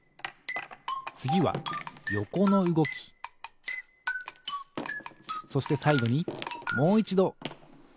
つぎはよこのうごきそしてさいごにもういちどたてのうごき。